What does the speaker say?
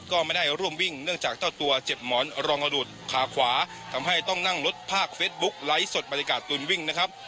ก็ไม่ได้ร่วมวิ่งเนื่องจากเจ้าตัวเจ็บหมอนรองระดูดขาขวาทำให้ต้องนั่งรถภาคเฟสบุ๊คไลฟ์สดบรรยากาศตูนวิ่งนะครับ